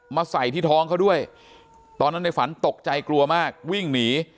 ใส่ที่ท้องเขาด้วยตอนนั้นในฝันตกใจกลัวมากวิ่งหนี